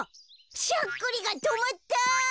しゃっくりがとまった！